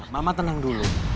mama tenang dulu